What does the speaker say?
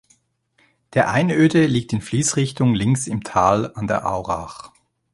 Der Einöde liegt in Fließrichtung links im Tal an der Aurach.